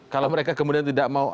kalau mereka kemudian tidak mau